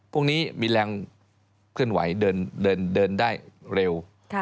พรุ่งนี้มีแรงเคลื่อนไหวเดินได้เร็ว